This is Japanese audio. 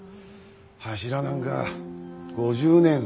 柱なんか５０年先がも。